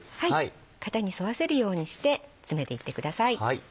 型に沿わせるようにして詰めていってください。